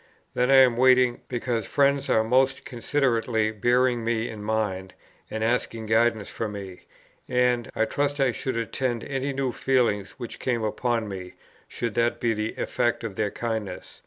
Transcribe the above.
Then I am waiting, because friends are most considerately bearing me in mind, and asking guidance for me; and, I trust, I should attend to any new feelings which came upon me, should that be the effect of their kindness.